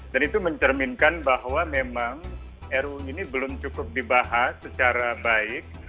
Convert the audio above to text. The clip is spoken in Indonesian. dan itu mencerminkan bahwa memang ruu ini belum cukup dibahas secara baik